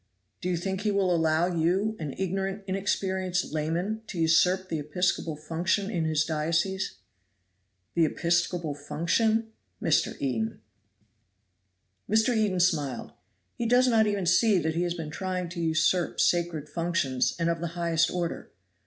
"Do you think he will allow you, an ignorant, inexperienced layman, to usurp the episcopal function in his diocese." "The episcopal function? Mr. Eden." Mr. Eden smiled. "He does not even see that he has been trying to usurp sacred functions and of the highest order.